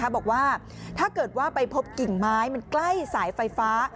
บอกว่าถ้าเกิดว่าไปพบกิ่งไม้มันใกล้สายไฟฟ้า